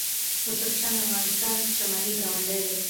ازبکستان د افغانستان شمالي ګاونډی دی.